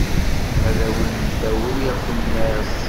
Ad awent-d-awiɣ tumert.